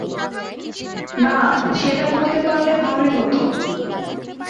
না, সেটা করতে পারলে ভালোই হতো।